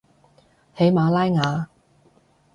喜马拉雅